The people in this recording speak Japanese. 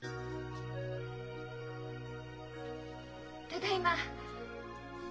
ただいま。